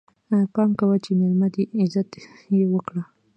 پام کوه چې ميلمه دی، عزت يې وکړه!